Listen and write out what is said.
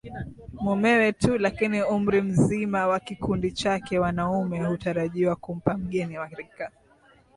mumewe tu lakini umri mzima wa kikundi chake Wanaume hutarajiwa kumpa mgeni wa rika